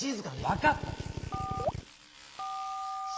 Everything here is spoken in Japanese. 分かったって。